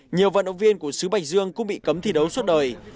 nhiều vận động viên của sứ bạch dương cũng bị cấm thi đấu suốt đời